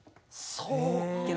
そうか。